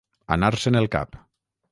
Anar-se'n el cap.